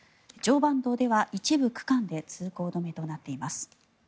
常磐道では一部区間で通行止めとなっています。